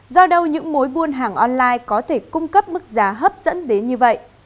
do đâu những mối buôn hàng online có thể cung cấp mức giá hấp dẫn đến như vậy